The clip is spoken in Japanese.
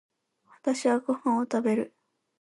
私はご飯を食べる。